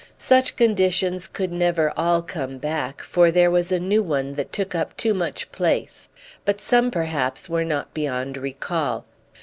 Such conditions could never all come back, for there was a new one that took up too much place; but some perhaps were not beyond recall.